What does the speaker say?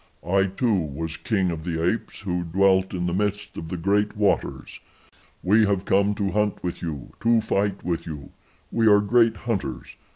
I, too, was king of the apes who dwelt in the midst of the great waters. We have come to hunt with you, to fight with you. We are great hunters.